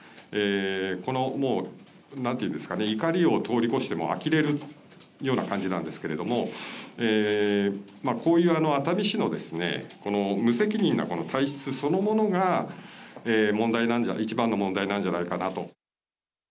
この怒りを通り越してあきれるような感じなんですけれどもこういう熱海市の無責任な体質そのものが一番の問題なんじゃないかなと。